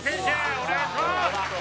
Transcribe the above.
お願いします！